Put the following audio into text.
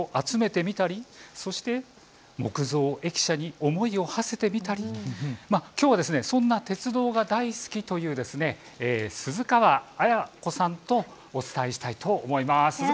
駅のスタンプを集めてみたり木造駅舎に思いをはせてみたりきょうはそんな鉄道が大好きという鈴川絢子さんとお伝えしたいと思います。